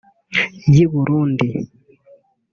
y’i Burundi